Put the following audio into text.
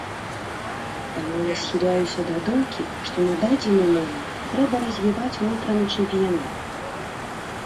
Таму я схіляюся да думкі, што на дадзены момант трэба развіваць унутраны чэмпіянат.